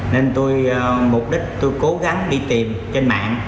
nên tôi mục đích tôi cố gắng đi tìm trên mạng